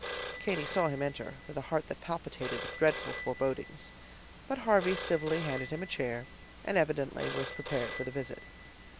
Katy saw him enter, with a heart that palpitated with dreadful forebodings, but Harvey civilly handed him a chair, and evidently was prepared for the visit.